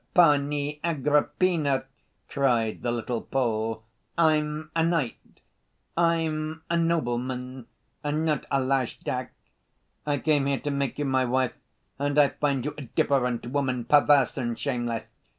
"Pani Agrippina!" cried the little Pole. "I'm—a knight, I'm—a nobleman, and not a lajdak. I came here to make you my wife and I find you a different woman, perverse and shameless."